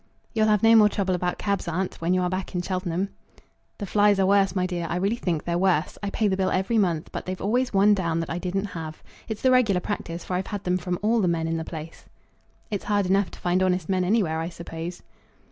"You'll have no more trouble about cabs, aunt, when you are back in Cheltenham." "The flies are worse, my dear. I really think they're worse. I pay the bill every month, but they've always one down that I didn't have. It's the regular practice, for I've had them from all the men in the place." "It's hard enough to find honest men anywhere, I suppose."